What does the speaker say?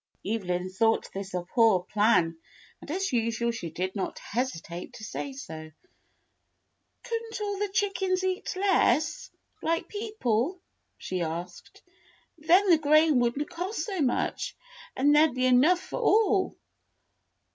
Evelyn thought this a poor plan, and as usual she did not hesitate to say so. "Could n't all the chickens eat less, like people.'*" she asked. "Then the grain would n't cost so much* and there 'd be enough for all."